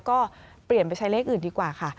ก็เปลี่ยนไปใช้เลขอื่นดีกว่าค่ะ